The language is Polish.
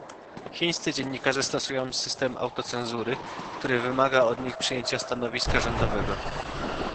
Chińscy dziennikarze stosują system autocenzury, który wymaga od nich przyjęcia stanowiska rządowego